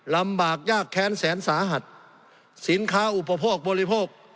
ลำบากยากแค้นแสนสาหัสสินค้าอุปโภคบริโภค